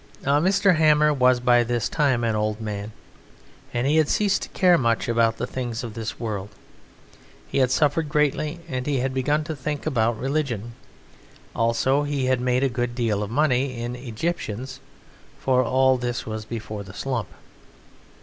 Now Mr. Hammer was by this time an old man, and he had ceased to care much for the things of this world. He had suffered greatly, and he had begun to think about religion; also he had made a good deal of money in Egyptians (for all this was before the slump).